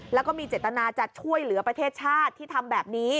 แล้วก็มีเจตนาจะช่วยเหลือประเทศชาติที่ทำแบบนี้